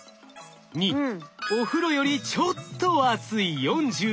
２お風呂よりちょっと熱い４７℃。